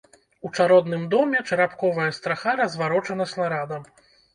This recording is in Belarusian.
У чародным доме чарапковая страха разварочана снарадам.